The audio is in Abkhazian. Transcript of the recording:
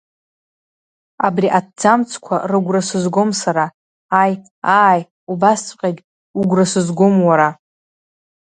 Абри аҭӡамцқәа рыгәра сызгом сара, аи, ааи убасҵәҟьагь угәра сызгом уара.